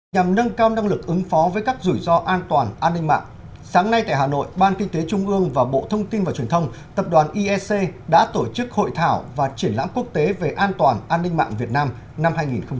nhằm nâng cao năng lực ứng phó với các rủi ro an toàn an ninh mạng sáng nay tại hà nội ban kinh tế trung ương và bộ thông tin và truyền thông tập đoàn iec đã tổ chức hội thảo và triển lãm quốc tế về an toàn an ninh mạng việt nam năm hai nghìn một mươi chín